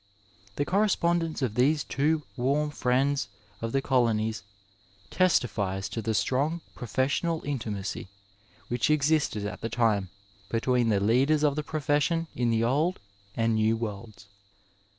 The correspondence of these two warm friends of the colonies testifies to the strong professional intimacy which existed at the time between the leaders of the profession in the old and new worlds.